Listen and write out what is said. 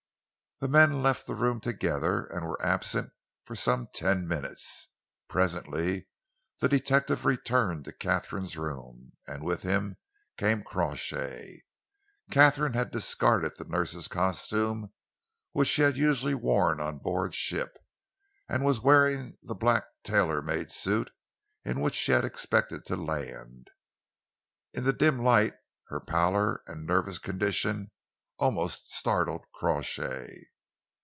The men left the room together and were absent some ten minutes. Presently the detective returned to Katharine's room, and with him came Crawshay. Katharine had discarded the nurse's costume which she had usually worn on board ship, and was wearing the black tailor made suit in which she had expected to land. In the dim light, her pallor and nervous condition almost startled Crawshay.